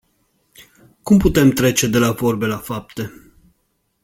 Cum putem trece de la vorbe la fapte?